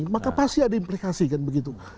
maka pasti ada implikasi kan begitu